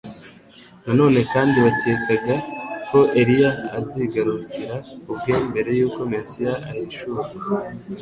Na none kandi bakekaga ko Eliya azigarukira ubwe mbere yuko Mesiya ahishurwa.